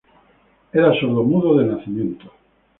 Era sordomudo de nacimiento.